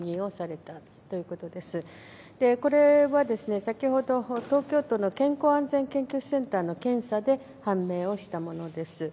これは先ほど東京都の健康安全研究センターの検査で判明をしたものです。